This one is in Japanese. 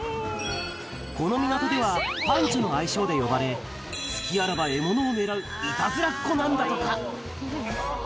この港では、パンチョの愛称で呼ばれ、隙あらば獲物を狙ういたずらっ子なんだとか。